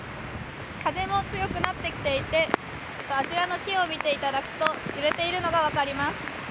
風も強くなってきていて、あちらの木を見ていただくと揺れているのが分かります。